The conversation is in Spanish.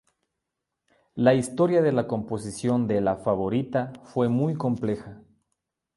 La historia de la composición de "La favorita" fue muy compleja.